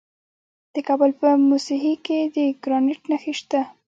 د کابل په موسهي کې د ګرانیټ نښې شته.